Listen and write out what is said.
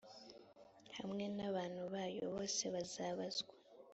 hamwe n abantu bayo bose bazabazwa